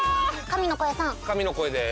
神の声です！